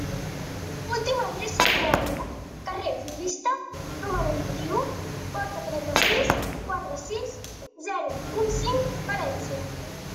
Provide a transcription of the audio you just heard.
Última adreça coneguda: carrer Florista, número vint-i-u, porta trenta-sis, quatre sis zero un cinc, València.